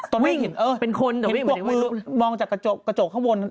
ตรงนี้เห็นเออเห็นกลอกมือมองจากกระจกข้างบน